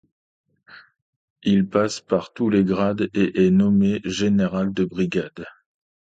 Il passe par tous les grades et est nommé général de brigade.